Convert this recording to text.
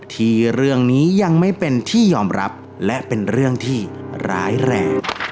ที่เรื่องนี้ยังไม่เป็นที่ยอมรับและเป็นเรื่องที่ร้ายแรง